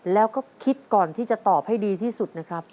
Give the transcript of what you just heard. แล้วก็คิดก่อนที่จะตอบให้ดีที่สุดนะครับ